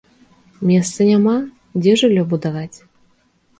Месца няма, дзе жыллё будаваць?